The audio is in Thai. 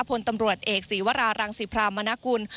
พลตำรวจเอกศีวรารังศิพรามณกุล